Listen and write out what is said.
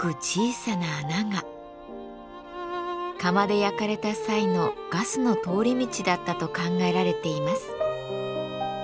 窯で焼かれた際のガスの通り道だったと考えられています。